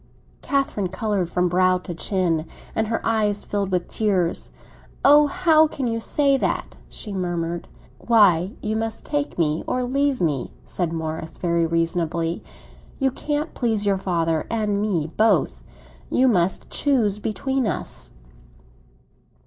Catherine coloured from brow to chin, and her eyes filled with tears. "Oh, how can you say that?" she murmured. "Why, you must take me or leave me," said Morris, very reasonably. "You can't please your father and me both; you must choose between us."